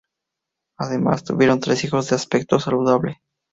Además, tuvieron tres hijos de aspecto saludable.